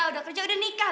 udah kerja udah nikah